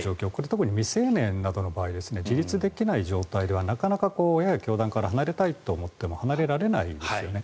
特に未成年などの場合自立できない状況の場合なかなか親や教団から離れたいと思っても離れられないですよね。